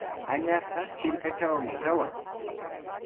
Añasqa hirkatraqmi kawan.